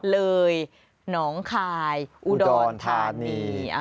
เลยหนองคายอุดรธานี